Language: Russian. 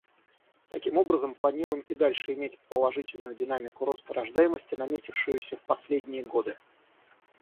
Таким образом планируем и дальше иметь положительную динамику роста рождаемости, наметившуюся в последние годы.